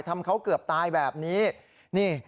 ทำเขาเกือบตายแบบนี้นี่